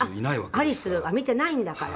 黒柳：アリスは見てないんだから。